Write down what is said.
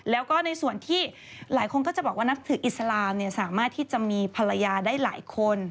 แล้วก็ในส่วนที่หลายคนก็จะบอกว่านับถืออิสลามสามารถที่จะมีภรรยาได้หลายคน